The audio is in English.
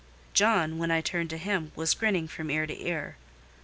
John, when I turned to him, was grinning from ear to ear.